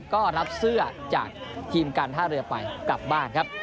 ก็รับเสื้อจากทีมการท่าเรือไปกลับบ้านครับ